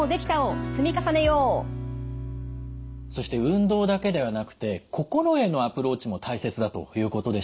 そして運動だけではなくて心へのアプローチも大切だということでしたよね？